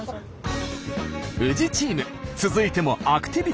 宇治チーム続いてもアクティビティー。